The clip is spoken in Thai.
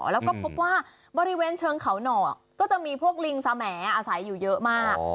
แล้วก็พบว่าบริเวณเชิงเขาหน่อก็จะมีพวกลิงสแหมดอาศัยอยู่เยอะมาก